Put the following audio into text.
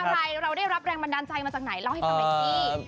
ชื่อเพลงอะไรเราได้รับแรงบันดาลใจมาจากไหน